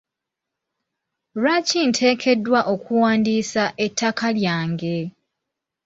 Lwaki nteekeddwa okuwandiisa ettaka lyange?